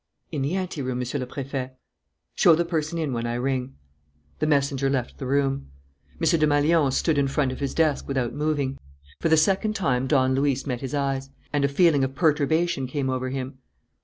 "In the anteroom, Monsieur le Préfet." "Show the person in when I ring." The messenger left the room. M. Desmalions stood in front of his desk, without moving. For the second time Don Luis met his eyes; and a feeling of perturbation came over him.